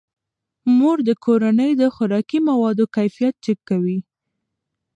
مور د کورنۍ د خوراکي موادو کیفیت چک کوي.